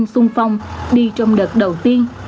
xuân phong đi trong đợt đầu tiên